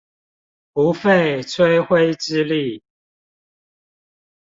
不費吹灰之力